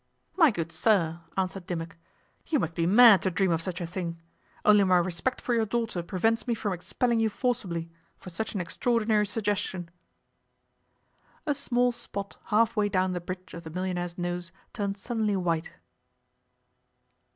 'My good sir,' answered Dimmock, 'you must be mad to dream of such a thing. Only my respect for your daughter prevents me from expelling you forcibly, for such an extraordinary suggestion.' A small spot half way down the bridge of the millionaire's nose turned suddenly white.